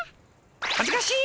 恥ずかしい！